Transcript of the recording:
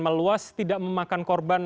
meluas tidak memakan korban